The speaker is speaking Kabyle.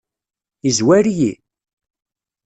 Yezwar-iyi?